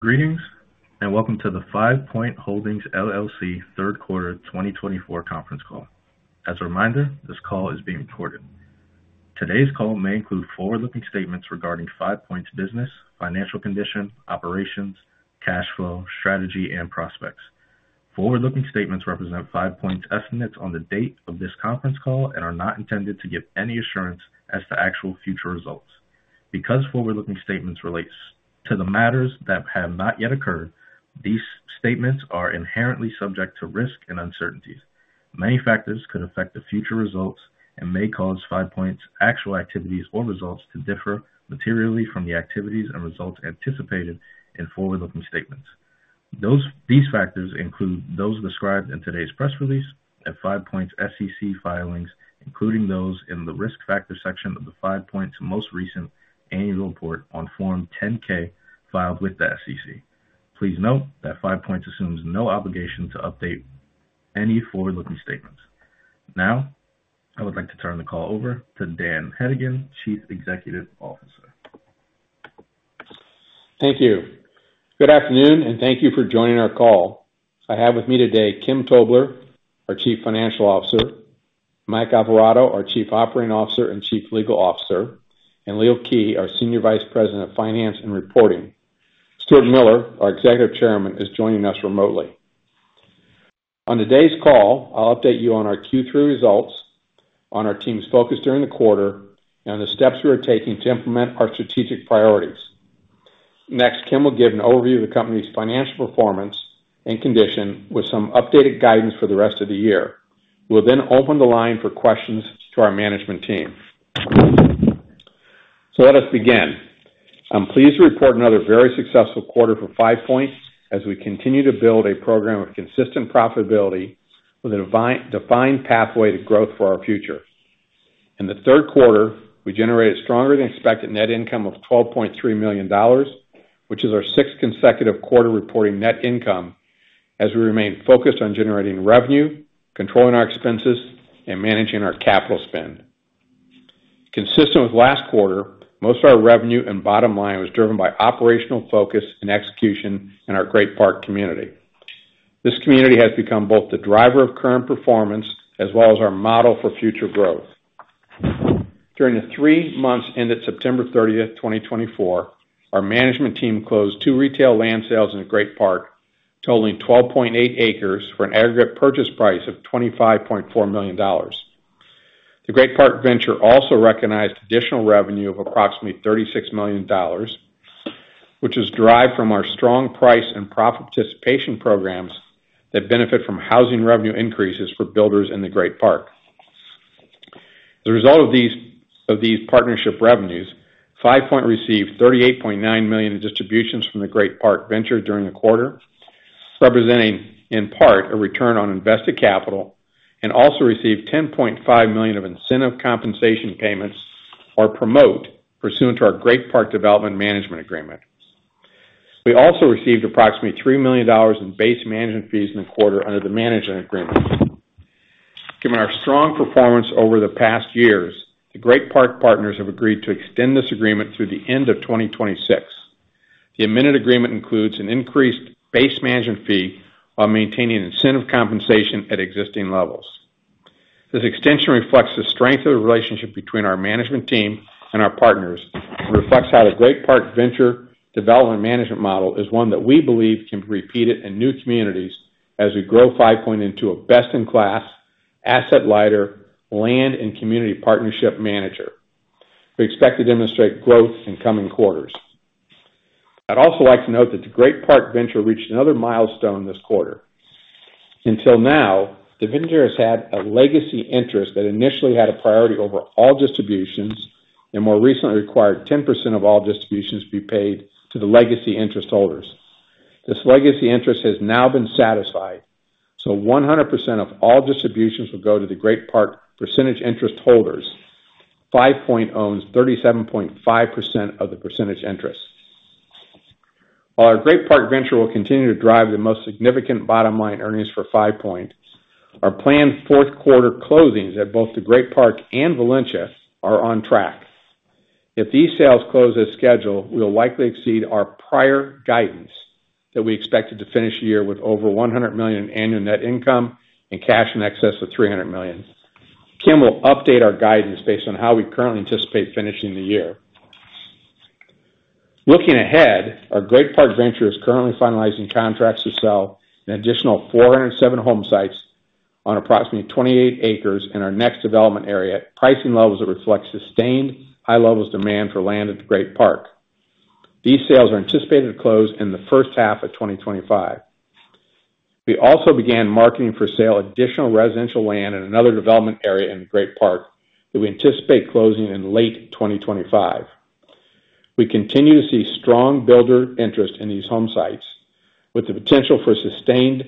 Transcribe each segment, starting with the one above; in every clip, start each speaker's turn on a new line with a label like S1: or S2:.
S1: Greetings, and welcome to the Five Point Holdings LLC Third Quarter 2024 Conference Call. As a reminder, this call is being recorded. Today's call may include forward-looking statements regarding Five Point's business, financial condition, operations, cash flow, strategy, and prospects. Forward-looking statements represent Five Point's estimates on the date of this conference call and are not intended to give any assurance as to actual future results. Because forward-looking statements relates to the matters that have not yet occurred, these statements are inherently subject to risk and uncertainties. Many factors could affect the future results and may cause Five Point's actual activities or results to differ materially from the activities and results anticipated in forward-looking statements. These factors include those described in today's press release and Five Point's SEC filings, including those in the Risk Factors section of Five Point's most recent annual report on Form 10-K, filed with the SEC. Please note that Five Point assumes no obligation to update any forward-looking statements. Now, I would like to turn the call over to Dan Hedigan, Chief Executive Officer.
S2: Thank you. Good afternoon, and thank you for joining our call. I have with me today Kim Tobler, our Chief Financial Officer, Mike Alvarado, our Chief Operating Officer and Chief Legal Officer, and Leo Kij, our Senior Vice President of Finance and Reporting. Stuart Miller, our Executive Chairman, is joining us remotely. On today's call, I'll update you on our Q3 results, on our team's focus during the quarter, and the steps we are taking to implement our strategic priorities. Next, Kim will give an overview of the company's financial performance and condition with some updated guidance for the rest of the year. We'll then open the line for questions to our management team. So let us begin. I'm pleased to report another very successful quarter for Five Point as we continue to build a program of consistent profitability with a defined pathway to growth for our future. In the third quarter, we generated stronger than expected net income of $12.3 million, which is our sixth consecutive quarter reporting net income, as we remain focused on generating revenue, controlling our expenses, and managing our capital spend. Consistent with last quarter, most of our revenue and bottom line was driven by operational focus and execution in our Great Park community. This community has become both the driver of current performance as well as our model for future growth. During then 3-months ended September 30, 2024, our management team closed two retail land sales in Great Park, totaling 12.8 acres for an aggregate purchase price of $25.4 million. The Great Park Venture also recognized additional revenue of approximately $36 million, which is derived from our strong price and profit participation programs that benefit from housing revenue increases for builders in the Great Park. The result of these partnership revenues, Five Point received $38.9 million in distributions from the Great Park Venture during the quarter, representing, in part, a return on invested capital, and also received $10.5 million of incentive compensation payments, or promote, pursuant to our Great Park Development Management Agreement. We also received approximately $3 million in base management fees in the quarter under the management agreement. Given our strong performance over the past years, the Great Park partners have agreed to extend this agreement through the end of 2026. The amended agreement includes an increased base management fee while maintaining incentive compensation at existing levels. This extension reflects the strength of the relationship between our management team and our partners, and reflects how the Great Park Venture development management model is one that we believe can be repeated in new communities as we grow Five Point into a best-in-class, asset lighter, land and community partnership manager. We expect to demonstrate growth in coming quarters. I'd also like to note that the Great Park Venture reached another milestone this quarter. Until now, the venture has had a Legacy Interest that initially had a priority over all distributions, and more recently required 10% of all distributions to be paid to the Legacy Interest holders. This Legacy Interest has now been satisfied, so 100% of all distributions will go to the Great Park Percentage Interest holders. Five Point owns 37.5% of the Percentage Interest. While our Great Park Venture will continue to drive the most significant bottom line earnings for Five Point, our planned fourth quarter closings at both the Great Park and Valencia are on track. If these sales close as scheduled, we will likely exceed our prior guidance that we expected to finish the year with over $100 million in annual net income and cash in excess of $300 million. Kim will update our guidance based on how we currently anticipate finishing the year. Looking ahead, our Great Park Venture is currently finalizing contracts to sell an additional 407 home sites on approximately 28 acres in our next development area, at pricing levels that reflect sustained high levels of demand for land at the Great Park. These sales are anticipated to close in the first half of 2025. We also began marketing for sale additional residential land in another development area in Great Park, that we anticipate closing in late 2025. We continue to see strong builder interest in these home sites, with the potential for sustained,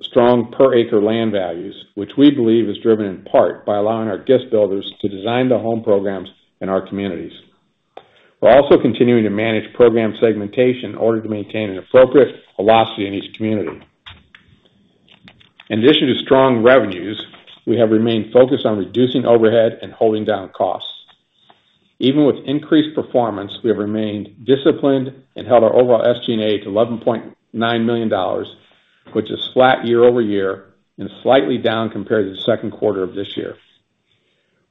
S2: strong per acre land values, which we believe is driven in part by allowing our guest builders to design the home programs in our communities. We're also continuing to manage program segmentation in order to maintain an appropriate velocity in each community. In addition to strong revenues, we have remained focused on reducing overhead and holding down costs. Even with increased performance, we have remained disciplined and held our overall SG&A to $11.9 million, which is flat year over year and slightly down compared to the second quarter of this year.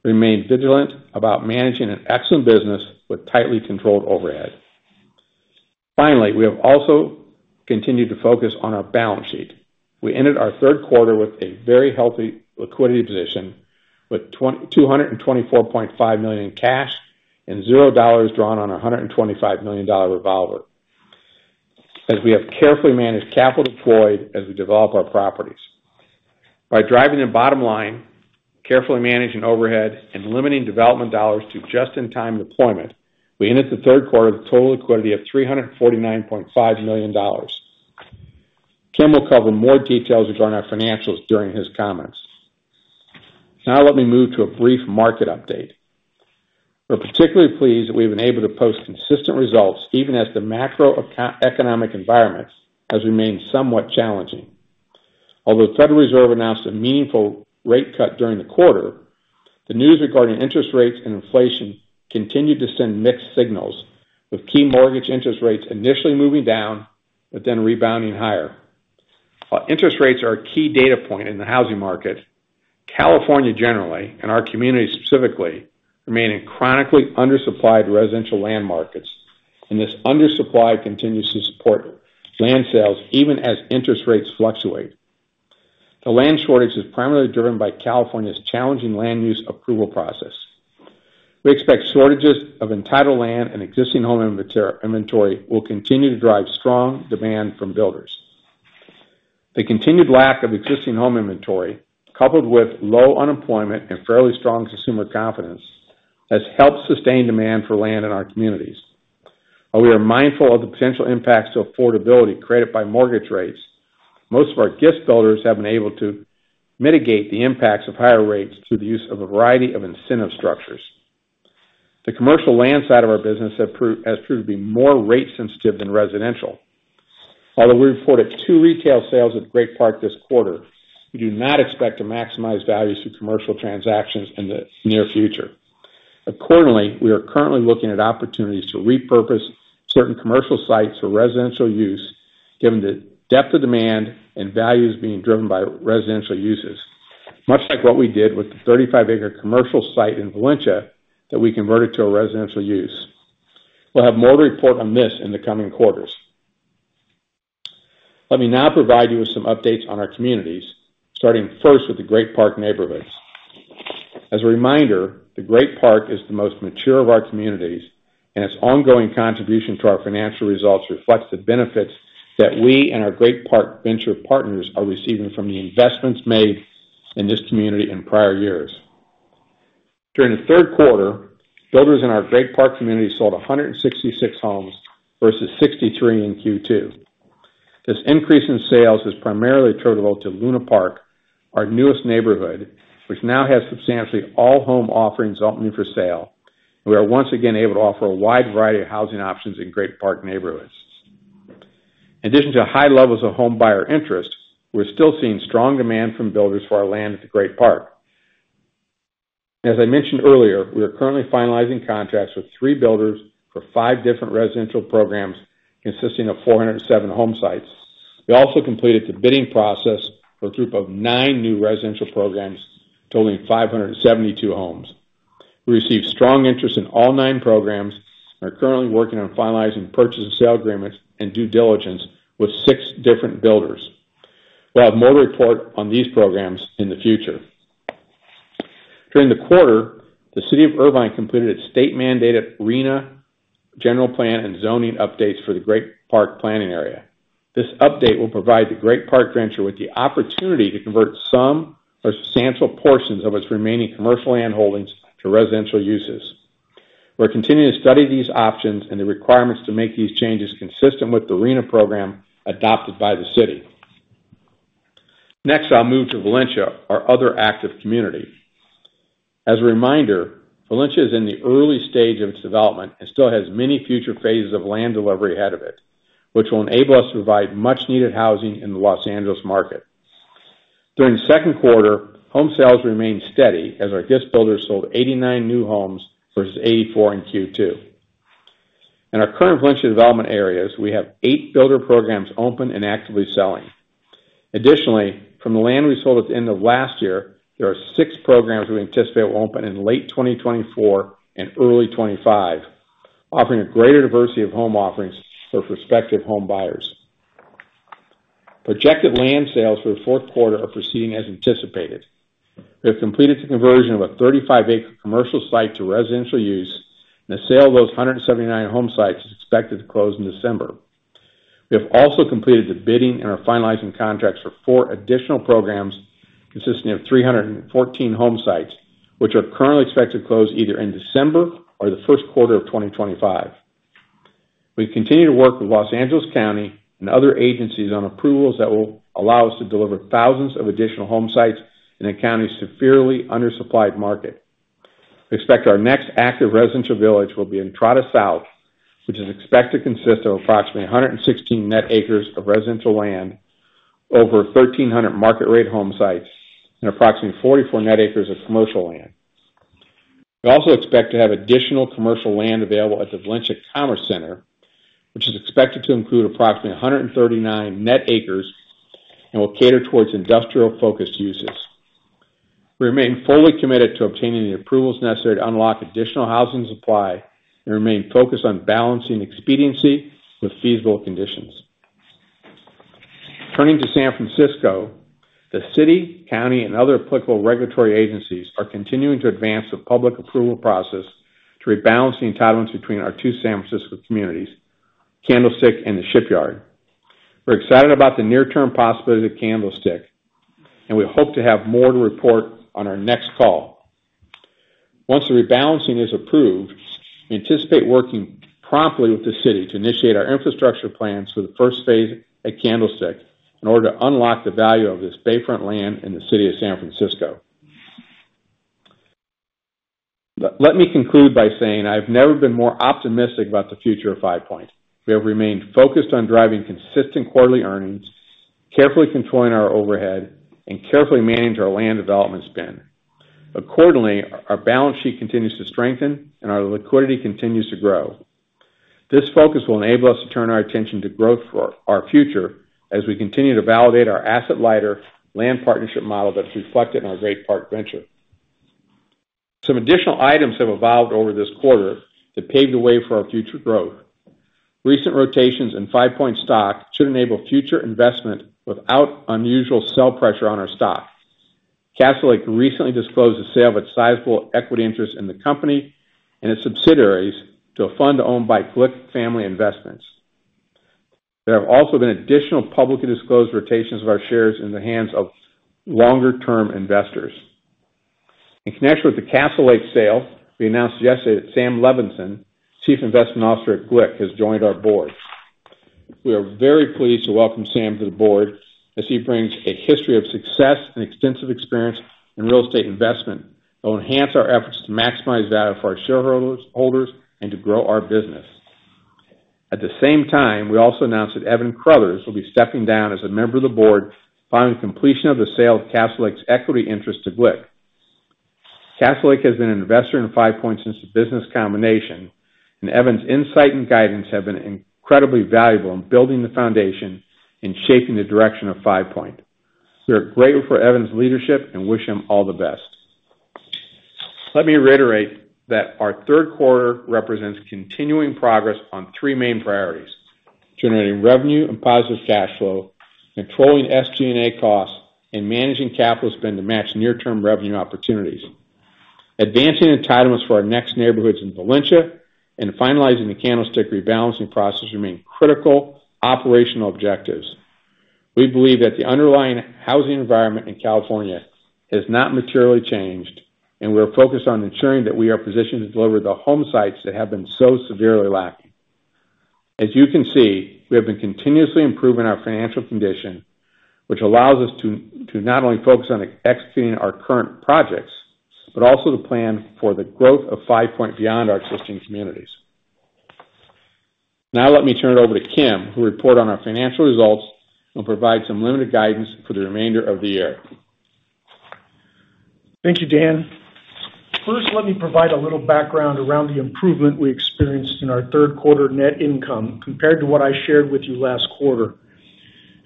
S2: We remain vigilant about managing an excellent business with tightly controlled overhead. Finally, we have also continued to focus on our balance sheet. We ended our third quarter with a very healthy liquidity position, with $224.5 million in cash and zero dollars drawn on our $125 million revolver, as we have carefully managed capital deployed as we develop our properties. By driving the bottom line, carefully managing overhead, and limiting development dollars to just-in-time deployment, we ended the third quarter with total liquidity of $349.5 million. Kim will cover more details regarding our financials during his comments. Now let me move to a brief market update. We're particularly pleased that we've been able to post consistent results, even as the macroeconomic environment has remained somewhat challenging. Although the Federal Reserve announced a meaningful rate cut during the quarter, the news regarding interest rates and inflation continued to send mixed signals, with key mortgage interest rates initially moving down, but then rebounding higher. While interest rates are a key data point in the housing market, California, generally, and our community specifically, remain in chronically undersupplied residential land markets, and this undersupply continues to support land sales even as interest rates fluctuate. The land shortage is primarily driven by California's challenging land use approval process. We expect shortages of entitled land and existing home inventory will continue to drive strong demand from builders. The continued lack of existing home inventory, coupled with low unemployment and fairly strong consumer confidence, has helped sustain demand for land in our communities. While we are mindful of the potential impacts to affordability created by mortgage rates, most of our guest builders have been able to mitigate the impacts of higher rates through the use of a variety of incentive structures. The commercial land side of our business has proved to be more rate sensitive than residential. Although we reported two retail sales at Great Park this quarter, we do not expect to maximize values through commercial transactions in the near future. Accordingly, we are currently looking at opportunities to repurpose certain commercial sites for residential use, given the depth of demand and values being driven by residential uses, much like what we did with the 35-acre commercial site in Valencia that we converted to a residential use. We'll have more to report on this in the coming quarters. Let me now provide you with some updates on our communities, starting first with the Great Park Neighborhoods. As a reminder, the Great Park is the most mature of our communities, and its ongoing contribution to our financial results reflects the benefits that we and our Great Park Venture partners are receiving from the investments made in this community in prior years. During the third quarter, builders in our Great Park community sold 166 homes versus 63 in Q2. This increase in sales is primarily attributable to Luna Park, our newest neighborhood, which now has substantially all home offerings opening for sale. We are once again able to offer a wide variety of housing options in Great Park Neighborhoods. In addition to high levels of home buyer interest, we're still seeing strong demand from builders for our land at the Great Park. As I mentioned earlier, we are currently finalizing contracts with three builders for five different residential programs, consisting of 407 home sites. We also completed the bidding process for a group of nine new residential programs, totaling 572 homes. We received strong interest in all nine programs and are currently working on finalizing purchase and sale agreements and due diligence with six different builders. We'll have more to report on these programs in the future. During the quarter, the City of Irvine completed its state-mandated RHNA general plan and zoning updates for the Great Park planning area. This update will provide the Great Park Venture with the opportunity to convert some or substantial portions of its remaining commercial landholdings to residential uses. We're continuing to study these options and the requirements to make these changes consistent with the RHNA program adopted by the city. Next, I'll move to Valencia, our other active community. As a reminder, Valencia is in the early stage of its development and still has many future phases of land delivery ahead of it, which will enable us to provide much-needed housing in the Los Angeles market. During the second quarter, home sales remained steady as our homebuilders sold 89 new homes versus 84 in Q2. In our current Valencia development areas, we have eight builder programs open and actively selling. Additionally, from the land we sold at the end of last year, there are six programs we anticipate will open in late 2024 and early 2025, offering a greater diversity of home offerings for prospective home buyers. Projected land sales for the fourth quarter are proceeding as anticipated. We have completed the conversion of a 35-acre commercial site to residential use, and the sale of those 179 home sites is expected to close in December. We have also completed the bidding and are finalizing contracts for four additional programs, consisting of 314 home sites, which are currently expected to close either in December or the first quarter of 2025. We continue to work with Los Angeles County and other agencies on approvals that will allow us to deliver thousands of additional home sites in a county's severely undersupplied market. We expect our next active residential village will be in Entrada South, which is expected to consist of approximately 116 net acres of residential land, over 1,300 market rate home sites, and approximately 44 net acres of commercial land. We also expect to have additional commercial land available at the Valencia Commerce Center, which is expected to include approximately 139 net acres, and will cater towards industrial-focused uses. We remain fully committed to obtaining the approvals necessary to unlock additional housing supply and remain focused on balancing expediency with feasible conditions. Turning to San Francisco, the city, county, and other applicable regulatory agencies are continuing to advance the public approval process to rebalance the entitlements between our two San Francisco communities, Candlestick and the Shipyard. We're excited about the near-term possibility of Candlestick, and we hope to have more to report on our next call. Once the rebalancing is approved, we anticipate working promptly with the city to initiate our infrastructure plans for the first phase at Candlestick in order to unlock the value of this Bayfront land in the city of San Francisco. Let me conclude by saying I've never been more optimistic about the future of Five Point. We have remained focused on driving consistent quarterly earnings, carefully controlling our overhead, and carefully manage our land development spend. Accordingly, our balance sheet continues to strengthen and our liquidity continues to grow. This focus will enable us to turn our attention to growth for our future as we continue to validate our asset lighter land partnership model that's reflected in our Great Park Venture. Some additional items have evolved over this quarter that paved the way for our future growth. Recent rotations in Five Point stock should enable future investment without unusual sell pressure on our stock. Castlelake recently disclosed the sale of its sizable equity interest in the company and its subsidiaries to a fund owned by Glick Family Investments. There have also been additional publicly disclosed rotations of our shares in the hands of longer-term investors. In connection with the Castlelake sale, we announced yesterday that Sam Levinson, Chief Investment Officer at Glick, has joined our board. We are very pleased to welcome Sam to the board, as he brings a history of success and extensive experience in real estate investment that will enhance our efforts to maximize value for our shareholders, holders, and to grow our business. At the same time, we also announced that Evan Carruthers will be stepping down as a member of the board following completion of the sale of Castlelake's equity interest to Glick. Castlelake has been an investor in Five Point since the business combination, and Evan's insight and guidance have been incredibly valuable in building the foundation and shaping the direction of Five Point. We are grateful for Evan's leadership and wish him all the best. Let me reiterate that our third quarter represents continuing progress on three main priorities: generating revenue and positive cash flow, controlling SG&A costs, and managing capital spend to match near-term revenue opportunities. Advancing entitlements for our next neighborhoods in Valencia and finalizing the Candlestick rebalancing process remain critical operational objectives. We believe that the underlying housing environment in California has not materially changed, and we are focused on ensuring that we are positioned to deliver the home sites that have been so severely lacking. As you can see, we have been continuously improving our financial condition, which allows us to not only focus on executing our current projects, but also to plan for the growth of Five Point beyond our existing communities. Now, let me turn it over to Kim, who will report on our financial results and provide some limited guidance for the remainder of the year.
S3: Thank you, Dan. First, let me provide a little background around the improvement we experienced in our third quarter net income compared to what I shared with you last quarter.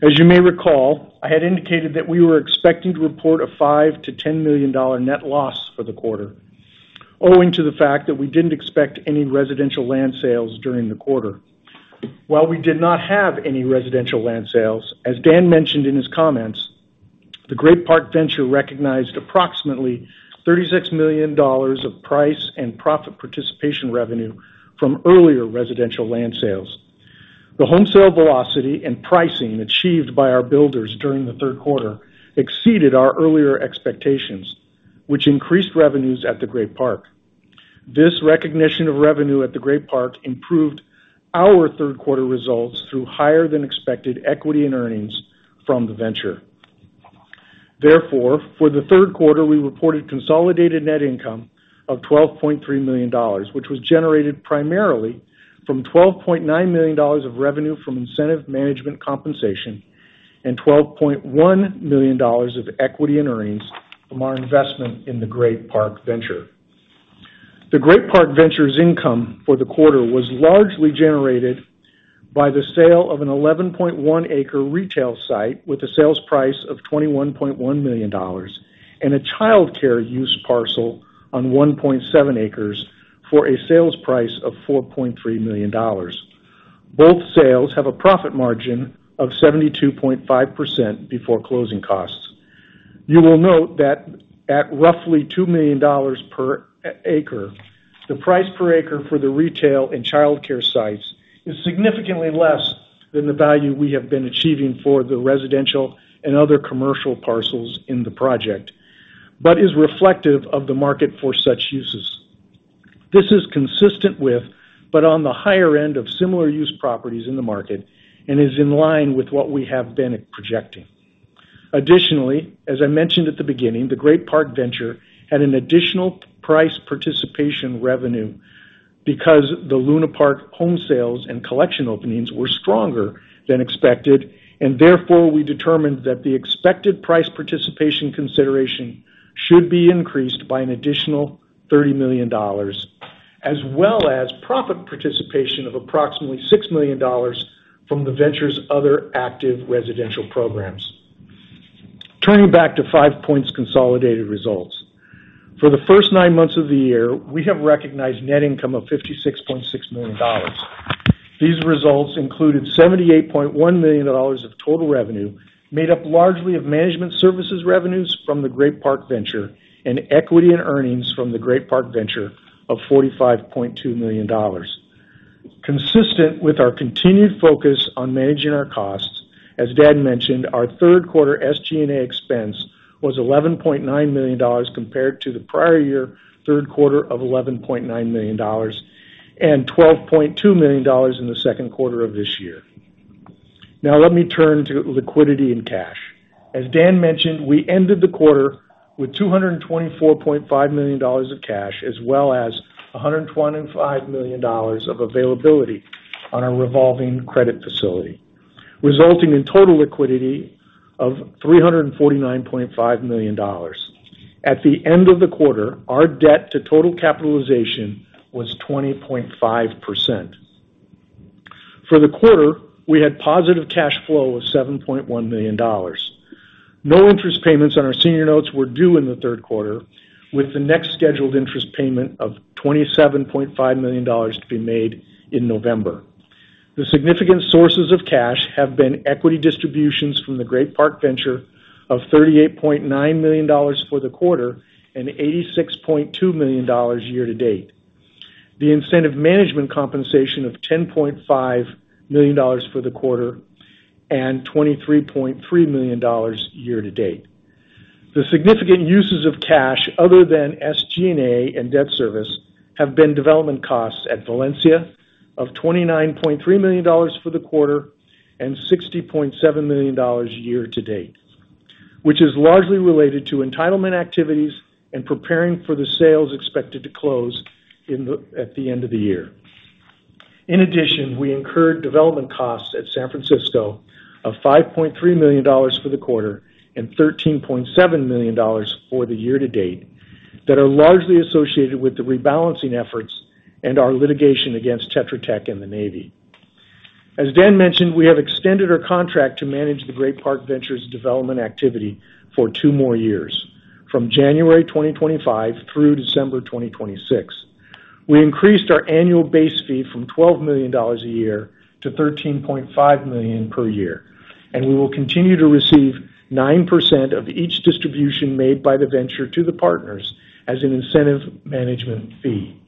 S3: As you may recall, I had indicated that we were expecting to report a $5 to $10 million net loss for the quarter, owing to the fact that we didn't expect any residential land sales during the quarter. While we did not have any residential land sales, as Dan mentioned in his comments, the Great Park Venture recognized approximately $36 million of price and profit participation revenue from earlier residential land sales. The home sale velocity and pricing achieved by our builders during the third quarter exceeded our earlier expectations, which increased revenues at the Great Park. This recognition of revenue at the Great Park improved our third quarter results through higher than expected equity and earnings from the venture. Therefore, for the third quarter, we reported consolidated net income of $12.3 million, which was generated primarily from $12.9 million of revenue from incentive management compensation and $12.1 million of equity and earnings from our investment in the Great Park Venture. The Great Park Venture's income for the quarter was largely generated by the sale of an 11.1-acre retail site with a sales price of $21.1 million, and a childcare use parcel on 1.7 acres for a sales price of $4.3 million. Both sales have a profit margin of 72.5% before closing costs. You will note that at roughly $2 million per acre, the price per acre for the retail and childcare sites is significantly less than the value we have been achieving for the residential and other commercial parcels in the project, but is reflective of the market for such uses. This is consistent with, but on the higher end of similar use properties in the market, and is in line with what we have been projecting. Additionally, as I mentioned at the beginning, the Great Park Venture had an additional price participation revenue because the Luna Park home sales and collection openings were stronger than expected, and therefore, we determined that the expected price participation consideration should be increased by an additional $30 million, as well as profit participation of approximately $6 million from the venture's other active residential programs. Turning back to Five Point's consolidated results. For the first 9-months of the year, we have recognized net income of $56.6 million. These results included $78.1 million of total revenue, made up largely of management services revenues from the Great Park Venture, and equity and earnings from the Great Park Venture of $45.2 million. Consistent with our continued focus on managing our costs, as Dan mentioned, our third quarter SG&A expense was $11.9 million, compared to the prior year third quarter of $11.9 million, and $12.2 million in the second quarter of this year. Now let me turn to liquidity and cash. As Dan mentioned, we ended the quarter with $224.5 million of cash, as well as $125 million of availability on our Revolving Credit Facility, resulting in total liquidity of $349.5 million. At the end of the quarter, our Debt to Total Capitalization was 20.5%. For the quarter, we had positive cash flow of $7.1 million. No interest payments on our Senior Notes were due in the third quarter, with the next scheduled interest payment of $27.5 million to be made in November. The significant sources of cash have been equity distributions from the Great Park Venture of $38.9 million for the quarter and $86.2 million year to date. The incentive management compensation of $10.5 million for the quarter and $23.3 million year to date. The significant uses of cash other than SG&A and debt service have been development costs at Valencia of $29.3 million for the quarter and $60.7 million year to date, which is largely related to entitlement activities and preparing for the sales expected to close at the end of the year. In addition, we incurred development costs at San Francisco of $5.3 million for the quarter and $13.7 million for the year to date that are largely associated with the rebalancing efforts and our litigation against Tetra Tech and the Navy. As Dan mentioned, we have extended our contract to manage the Great Park Venture's development activity for two more years, from January2025 through December 2026. We increased our annual base fee from $12 million a year to $13.5 million per year, and we will continue to receive 9% of each distribution made by the venture to the partners as an incentive management fee.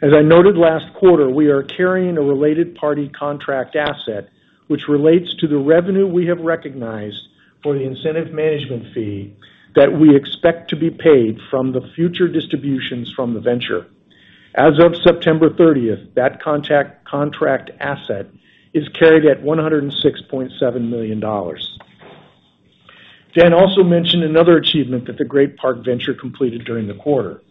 S3: As I noted last quarter, we are carrying a related party contract asset, which relates to the revenue we have recognized for the incentive management fee that we expect to be paid from the future distributions from the venture. As of September 30th, that contract asset is carried at $106.7 million. Dan also mentioned another achievement that the Great Park Venture completed during the quarter.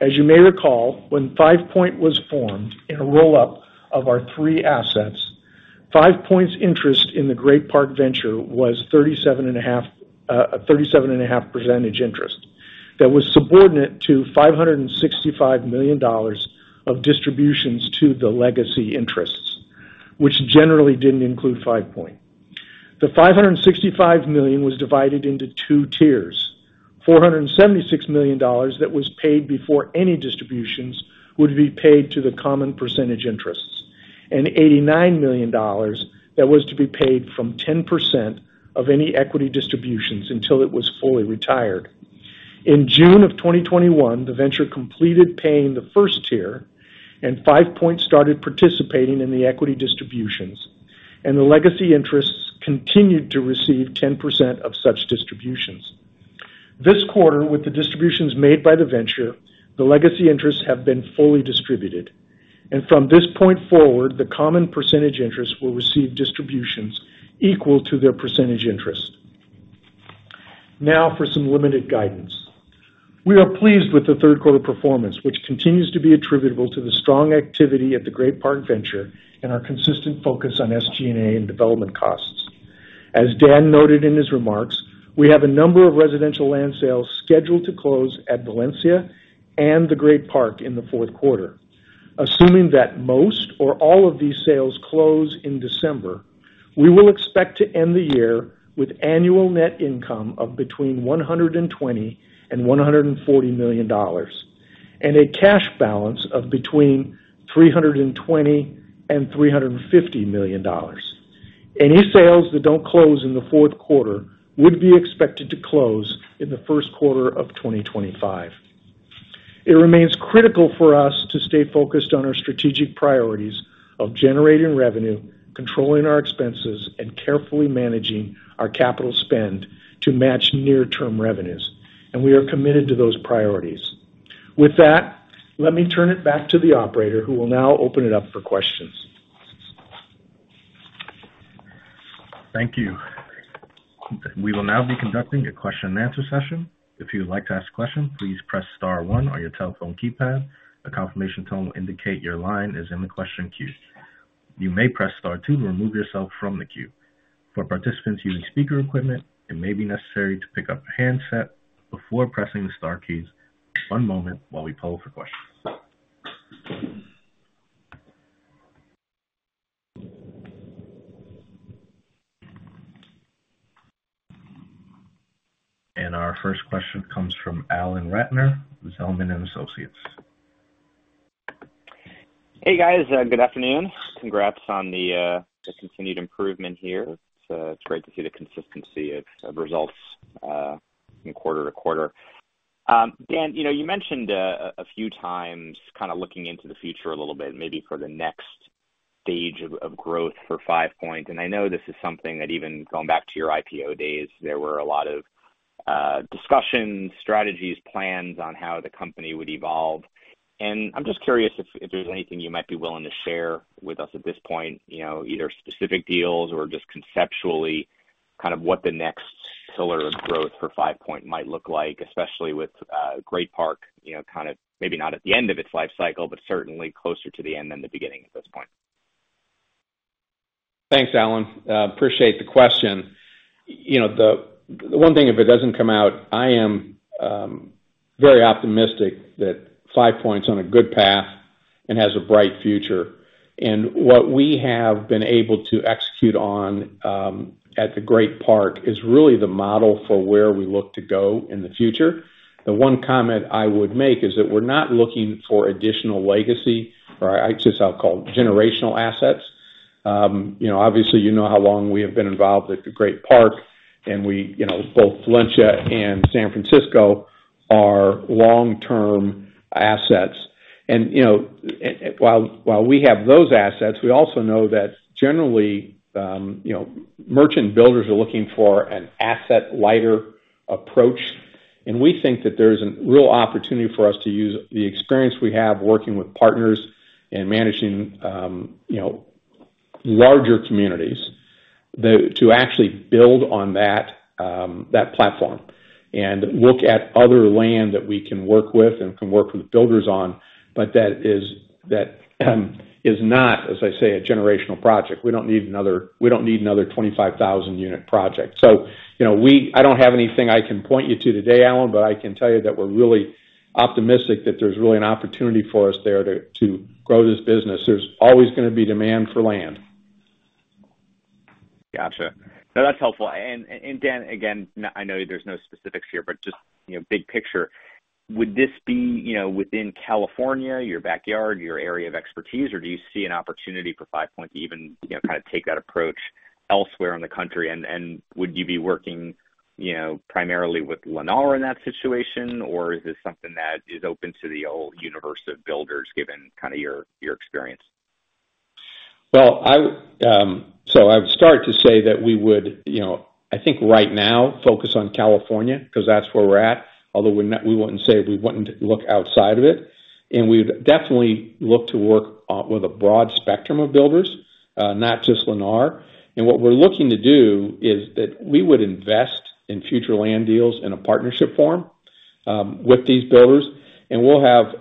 S3: As you may recall, when Five Point was formed in a roll-up of our three assets, Five Point's interest in the Great Park Venture was 37.5% interest that was subordinate to $565 million of distributions to the legacy interests, which generally didn't include Five Point. The $565 million was divided into two tiers: $476 million that was paid before any distributions would be paid to the common percentage interests, and $89 million that was to be paid from 10% of any equity distributions until it was fully retired. In June of 2021, the venture completed paying the first tier, and Five Point started participating in the equity distributions, and the legacy interests continued to receive 10% of such distributions. This quarter, with the distributions made by the venture, the legacy interests have been fully distributed, and from this point forward, the common percentage interests will receive distributions equal to their percentage interest. Now for some limited guidance. We are pleased with the third quarter performance, which continues to be attributable to the strong activity at the Great Park Venture and our consistent focus on SG&A and development costs. As Dan noted in his remarks, we have a number of residential land sales scheduled to close at Valencia and the Great Park in the fourth quarter. Assuming that most or all of these sales close in December, we will expect to end the year with annual net income of between $120 million and $140 million, and a cash balance of between $320 million and $350 million. Any sales that don't close in the fourth quarter would be expected to close in the first quarter of 2025. It remains critical for us to stay focused on our strategic priorities of generating revenue, controlling our expenses, and carefully managing our capital spend to match near-term revenues, and we are committed to those priorities. With that, let me turn it back to the operator, who will now open it up for questions.
S1: Thank you. We will now be conducting a question and answer session. If you would like to ask a question, please press star one on your telephone keypad. A confirmation tone will indicate your line is in the question queue. You may press star two to remove yourself from the queue. For participants using speaker equipment, it may be necessary to pick up a handset before pressing the star keys. One moment while we poll for questions, and our first question comes from Alan Ratner with Zelman & Associates.
S4: Hey, guys, good afternoon. Congrats on the continued improvement here. It's great to see the consistency of results from quarter to quarter. Dan, you know, you mentioned a few times, kind of looking into the future a little bit, maybe for the next stage of growth for Five Point, and I know this is something that, even going back to your IPO days, there were a lot of discussions, strategies, plans on how the company would evolve. I'm just curious if there's anything you might be willing to share with us at this point, you know, either specific deals or just conceptually, kind of what the next pillar of growth for Five Point might look like, especially with Great Park, you know, kind of maybe not at the end of its life cycle, but certainly closer to the end than the beginning at this point?
S2: Thanks, Alan. Appreciate the question. You know, the one thing, if it doesn't come out, I am very optimistic that Five Point's on a good path and has a bright future. And what we have been able to execute on at The Great Park is really the model for where we look to go in the future. The one comment I would make is that we're not looking for additional legacy or I just call generational assets. You know, obviously, you know how long we have been involved at The Great Park, and we, you know, both Valencia and San Francisco are long-term assets. And, you know, and while we have those assets, we also know that generally, you know, merchant builders are looking for an asset-lighter approach. And we think that there's a real opportunity for us to use the experience we have working with partners and managing, you know, larger communities to actually build on that platform and look at other land that we can work with and can work with builders on, but that is not, as I say, a generational project. We don't need another, we don't need another 25,000-unit project. So, you know, I don't have anything I can point you to today, Alan, but I can tell you that we're really optimistic that there's really an opportunity for us there to grow this business. There's always gonna be demand for land.
S4: Gotcha. No, that's helpful. And, and Dan, again, I know there's no specifics here, but just, you know, big picture, would this be, you know, within California, your backyard, your area of expertise, or do you see an opportunity for Five Point to even, you know, kind of take that approach elsewhere in the country? And, and would you be working, you know, primarily with Lennar in that situation, or is this something that is open to the whole universe of builders, given kind of your, your experience?
S2: Well, I would start to say that we would, you know, I think right now focus on California, because that's where we're at, although we're not, we wouldn't say we wouldn't look outside of it. And we'd definitely look to work with a broad spectrum of builders, not just Lennar. And what we're looking to do is that we would invest in future land deals in a partnership form with these builders, and we'll have,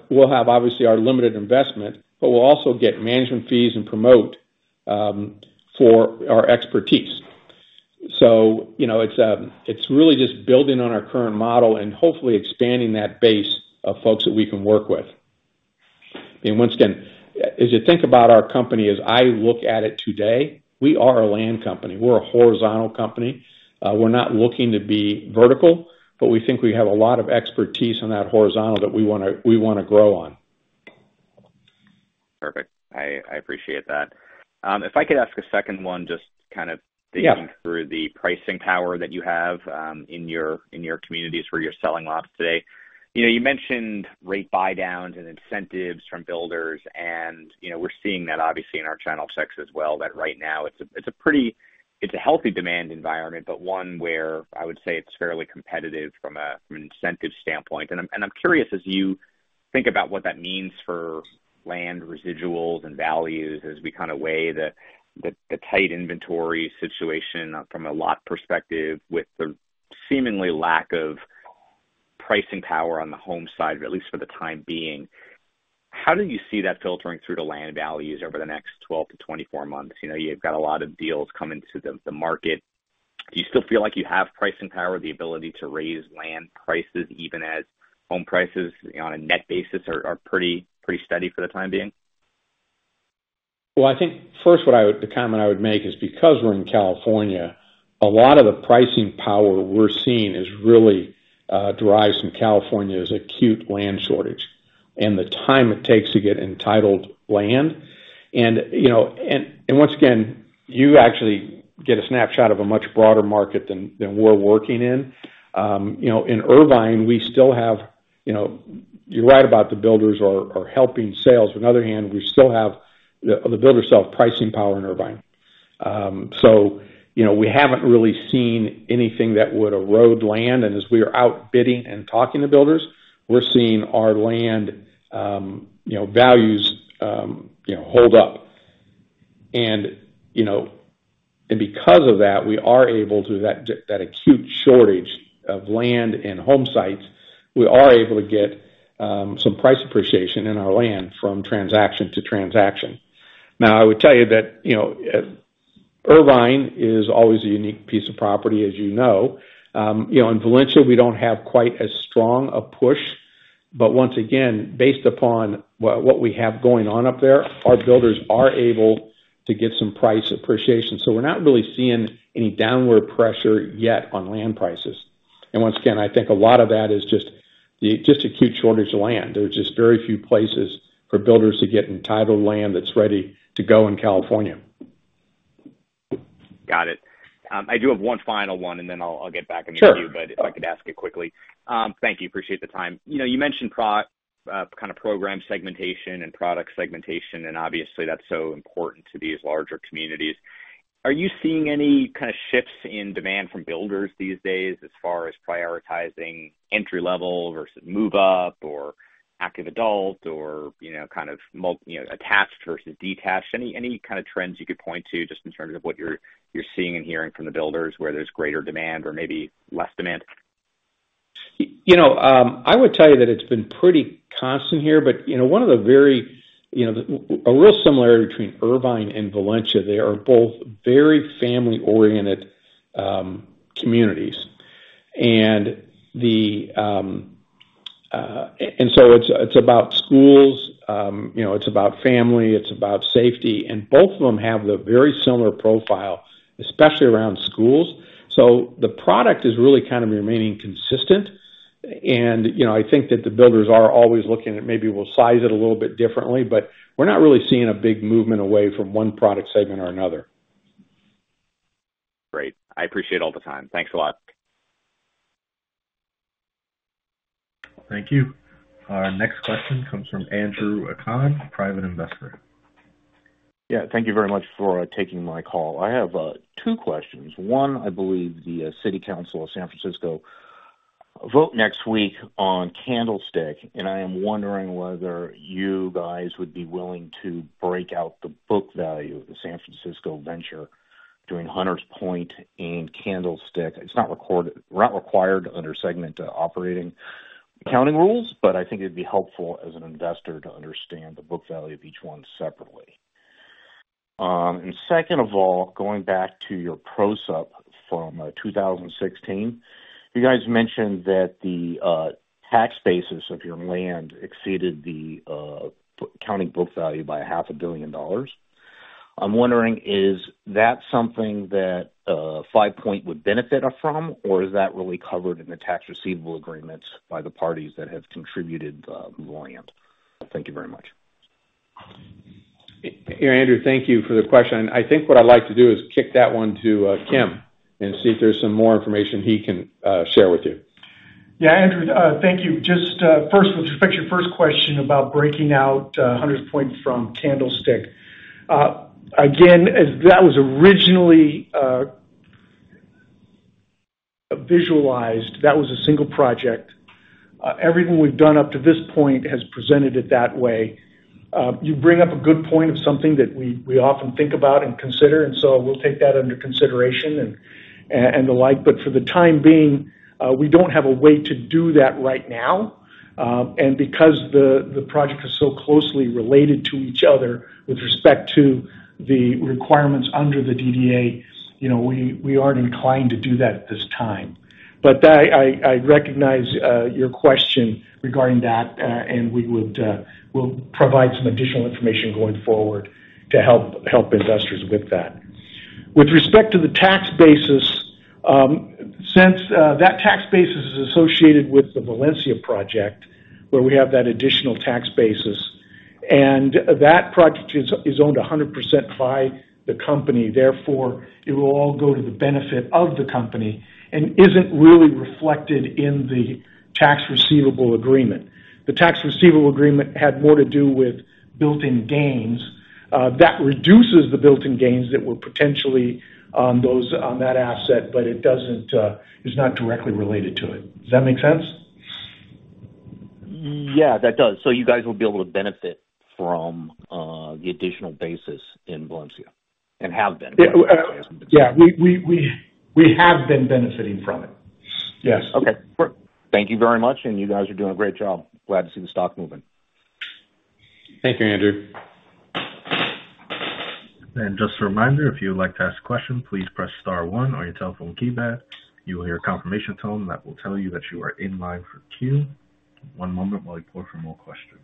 S2: obviously, our limited investment, but we'll also get management fees and promote for our expertise. So you know, it's really just building on our current model and hopefully expanding that base of folks that we can work with. And once again, as you think about our company, as I look at it today, we are a land company. We're a horizontal company. We're not looking to be vertical, but we think we have a lot of expertise on that horizontal that we wanna grow on.
S4: Perfect. I appreciate that. If I could ask a second one, just kind of—
S2: Yeah.
S4: Digging through the pricing power that you have in your communities where you're selling lots today. You know, you mentioned rate buy downs and incentives from builders, and, you know, we're seeing that obviously in our channel checks as well, that right now it's a pretty healthy demand environment, but one where I would say it's fairly competitive from an incentive standpoint. And I'm curious, as you think about what that means for land residuals and values, as we kind of weigh the tight inventory situation from a lot perspective, with the seemingly lack of pricing power on the home side, at least for the time being. How do you see that filtering through to land values over the next 20 to 24 months? You know, you've got a lot of deals coming to the market. Do you still feel like you have pricing power, the ability to raise land prices, even as home prices, on a net basis, are pretty steady for the time being?
S2: I think first, the comment I would make is, because we're in California, a lot of the pricing power we're seeing is really derives from California's acute land shortage and the time it takes to get entitled land. And, you know, once again, you actually get a snapshot of a much broader market than we're working in. You know, in Irvine, we still have. You know, you're right about the builders helping sales. On the other hand, we still have the builder self-pricing power in Irvine. So, you know, we haven't really seen anything that would erode land, and as we are out bidding and talking to builders, we're seeing our land values, you know, hold up. You know, and because of that acute shortage of land and home sites, we are able to get some price appreciation in our land from transaction to transaction. Now, I would tell you that, you know, Irvine is always a unique piece of property, as you know. You know, in Valencia, we don't have quite as strong a push, but once again, based upon what we have going on up there, our builders are able to get some price appreciation. We're not really seeing any downward pressure yet on land prices. Once again, I think a lot of that is just the acute shortage of land. There are just very few places for builders to get entitled land that's ready to go in California.
S4: Got it. I do have one final one, and then I'll get back and yield to you.
S2: Sure.
S4: But if I could ask it quickly. Thank you. Appreciate the time. You know, you mentioned pro- kind of program segmentation and product segmentation, and obviously, that's so important to these larger communities. Are you seeing any kind of shifts in demand from builders these days as far as prioritizing entry-level versus move-up or active adult or, you know, kind of mult- you know, attached versus detached? Any, any kind of trends you could point to just in terms of what you're, you're seeing and hearing from the builders, where there's greater demand or maybe less demand?
S2: You know, I would tell you that it's been pretty constant here, but, you know, one of the very, you know, a real similarity between Irvine and Valencia, they are both very family-oriented, communities. And so it's, it's about schools, you know, it's about family, it's about safety, and both of them have a very similar profile, especially around schools. So the product is really kind of remaining consistent. And, you know, I think that the builders are always looking at maybe we'll size it a little bit differently, but we're not really seeing a big movement away from one product segment or another.
S4: Great. I appreciate all the time. Thanks a lot.
S1: Thank you. Our next question comes from Andrew Aken, private investor.
S5: Yeah, thank you very much for taking my call. I have two questions. One, I believe the city council of San Francisco vote next week on Candlestick, and I am wondering whether you guys would be willing to break out the book value of the San Francisco venture dividing Hunters Point and Candlestick. It's not recorded, not required under segment operating accounting rules, but I think it'd be helpful as an investor to understand the book value of each one separately. And second of all, going back to your prospectus from 2016, you guys mentioned that the tax basis of your land exceeded the GAAP accounting book value by $500 million. I'm wondering, is that something that Five Point would benefit from, or is that really covered in the tax receivable agreements by the parties that have contributed the land? Thank you very much.
S2: Andrew, thank you for the question. I think what I'd like to do is kick that one to, Kim, and see if there's some more information he can, share with you.
S3: Yeah, Andrew, thank you. Just first, with respect to your first question about breaking out Hunters Point from Candlestick. Again, as that was originally visualized, that was a single project. Everything we've done up to this point has presented it that way. You bring up a good point of something that we often think about and consider, and so we'll take that under consideration and the like, but for the time being, we don't have a way to do that right now. And because the project is so closely related to each other with respect to the requirements under the DDA, you know, we aren't inclined to do that at this time. But I recognize your question regarding that, and we'll provide some additional information going forward to help investors with that. With respect to the tax basis, since that tax basis is associated with the Valencia project, where we have that additional tax basis, and that project is owned 100% by the company, therefore, it will all go to the benefit of the company and isn't really reflected in the Tax Receivable Agreement. The Tax Receivable Agreement had more to do with built-in gains. That reduces the built-in gains that were potentially on that asset, but it is not directly related to it. Does that make sense?
S5: Yeah, that does. So you guys will be able to benefit from the additional basis in Valencia and have been?
S3: Yeah, yeah, we have been benefiting from it.
S5: Yes. Okay, great. Thank you very much, and you guys are doing a great job. Glad to see the stock moving.
S2: Thank you, Andrew.
S1: Just a reminder, if you would like to ask a question, please press star one on your telephone keypad. You will hear a confirmation tone that will tell you that you are in live queue. One moment while we pull for more questions.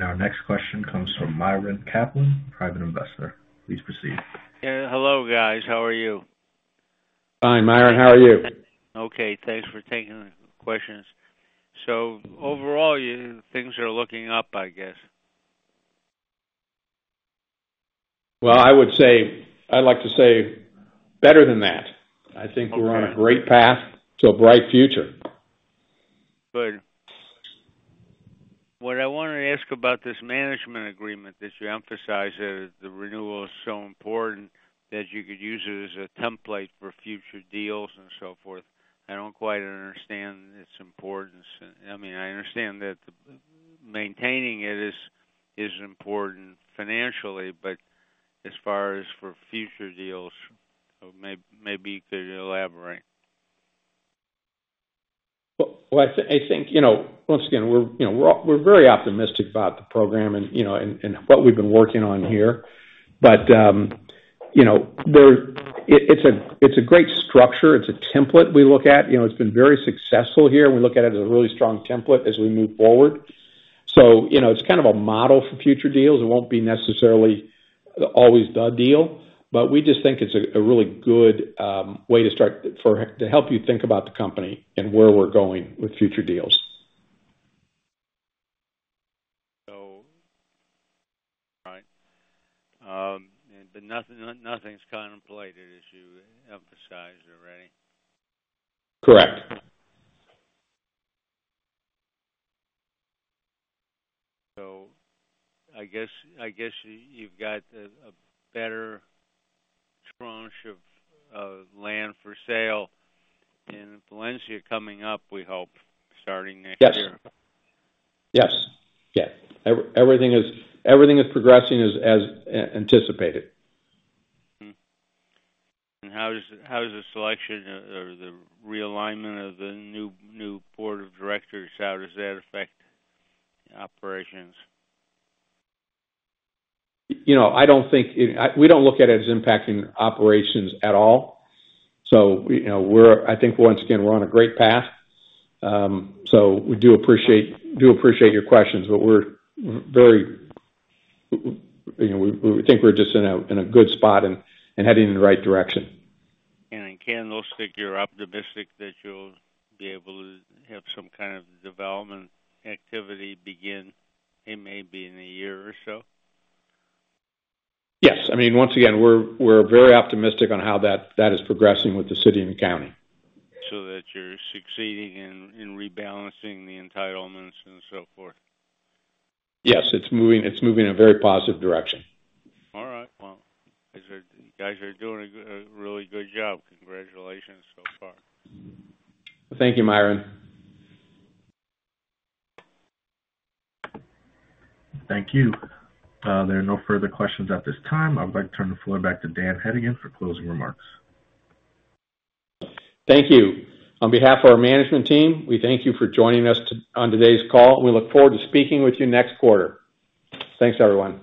S1: Our next question comes from Myron Kaplan, private investor. Please proceed.
S6: Yeah. Hello, guys. How are you?
S2: Fine, Myron, how are you?
S7: Okay, thanks for taking the questions. So overall, things are looking up, I guess.
S2: I would say, I'd like to say better than that. I think we're on a great path to a bright future.
S6: Good. What I wanted to ask about this management agreement, that you emphasize that the renewal is so important that you could use it as a template for future deals and so forth. I don't quite understand its importance. I mean, I understand that the maintaining it is important financially, but as far as for future deals, maybe, maybe you could elaborate.
S2: Well, I think, you know, once again, we're very optimistic about the program and what we've been working on here. But, you know, it's a great structure. It's a template we look at. You know, it's been very successful here. We look at it as a really strong template as we move forward. So, you know, it's kind of a model for future deals. It won't be necessarily always the deal, but we just think it's a really good way to start to help you think about the company and where we're going with future deals.
S6: So all right. But nothing, nothing's contemplated as you emphasized already?
S2: Correct.
S6: I guess you've got a better tranche of land for sale in Valencia coming up, we hope, starting next year.
S2: Yes. Yes. Yeah. Everything is progressing as anticipated.
S6: How does the selection or the realignment of the new board of directors affect operations?
S2: You know, we don't look at it as impacting operations at all. So we, you know, we're on a great path. I think, once again, we're on a great path. So we do appreciate your questions, but we're very, you know, we think we're just in a good spot and heading in the right direction.
S6: In Candlestick, you're optimistic that you'll be able to have some kind of development activity begin in maybe a year or so?
S2: Yes. I mean, once again, we're very optimistic on how that is progressing with the city and the county.
S6: That you're succeeding in rebalancing the entitlements and so forth?
S2: Yes, it's moving. It's moving in a very positive direction.
S6: All right, well, you guys are doing a really good job. Congratulations so far.
S2: Thank you, Myron.
S1: Thank you. There are no further questions at this time. I'd like to turn the floor back to Dan Hedigan for closing remarks.
S2: Thank you. On behalf of our management team, we thank you for joining us on today's call, and we look forward to speaking with you next quarter. Thanks, everyone.